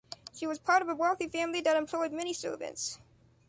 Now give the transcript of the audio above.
She was part of a wealthy family that employed many servants.